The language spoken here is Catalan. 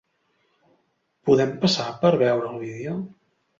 Podem passar per veure el vídeo?